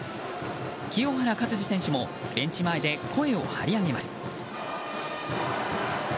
清原勝児選手もベンチ前で声を張り上げます。